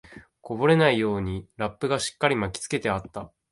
こぼれないようにラップがしっかり巻きつけてあった